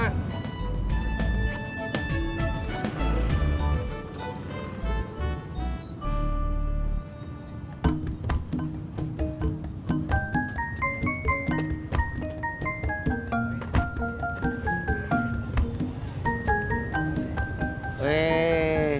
udah cepet dah